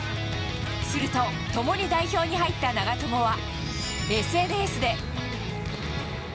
すると、共に代表に入った長友は、ＳＮＳで。